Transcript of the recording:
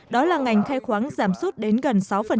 đó là ngành khai khoáng giảm sút đến gần sáu